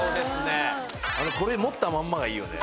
あのこれ持ったまんまがいいよね